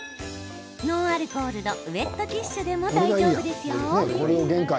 ノンアルコールのウエットティッシュでも大丈夫ですよ。